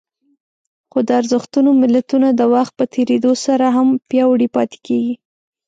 خو د ارزښتونو ملتونه د وخت په تېرېدو سره هم پياوړي پاتې کېږي.